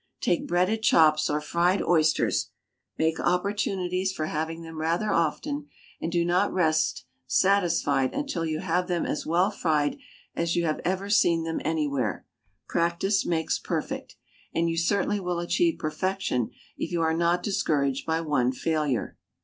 Take breaded chops or fried oysters, make opportunities for having them rather often, and do not rest satisfied until you have them as well fried as you have ever seen them anywhere; "practice makes perfect," and you certainly will achieve perfection if you are not discouraged by one failure.